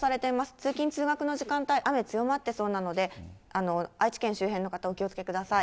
通勤・通学の時間帯、雨強まってそうなので、愛知県周辺の方、お気をつけください。